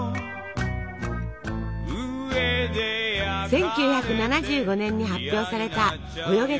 １９７５年に発表された「およげ！